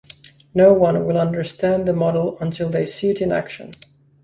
No one will understand the model until they see it in action.